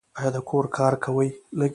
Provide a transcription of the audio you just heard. ایا د کور کار کوي؟